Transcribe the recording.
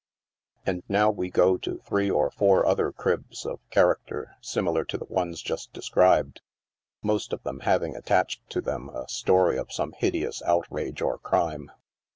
And now we go to three or four other cribs of character similar to the ones just described, most of them having attached to them a story of some hideous outrage or crime.